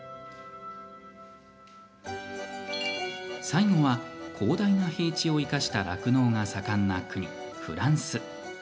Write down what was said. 最後は、広大な平地を生かした酪農が盛んな国・フランス。